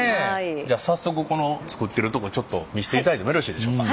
じゃあ早速この作ってるとこちょっと見していただいてもよろしいでしょうか？